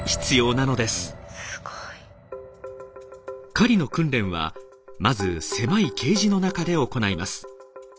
狩りの訓練はまず狭いケージの中で行います。